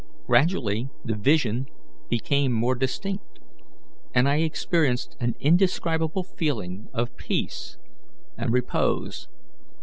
Gradually the vision became more distinct, and I experienced an indescribable feeling of peace and repose.